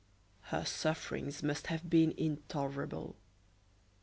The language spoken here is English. Her sufferings must have been intolerable.